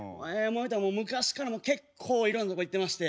昔から結構いろんな所行ってまして。